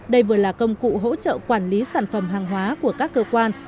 đây vừa là công cụ hỗ trợ quản lý sản phẩm hàng hóa của các cơ quan